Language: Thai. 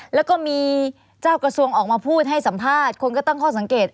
แล้วก็มีเจ้ากระทรวงออกมาพูดให้สัมภาษณ์คนก็ตั้งข้อสังเกต